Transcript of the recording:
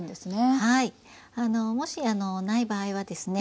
はい。もしない場合はですね